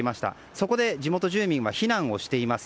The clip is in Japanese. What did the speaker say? そこで地元住民は避難をしています。